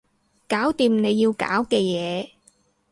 搞掂你要搞嘅嘢